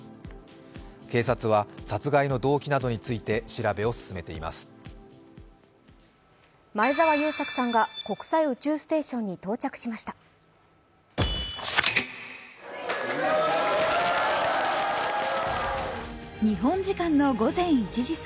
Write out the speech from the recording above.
警察は殺害の動機などについて調べを進めています。